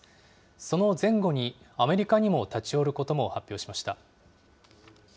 その前後にアメリカにも立ち寄ることも発表しました。